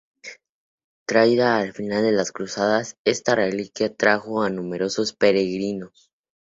Traída al final de las cruzadas, esta reliquia atrajo a numerosos peregrinos.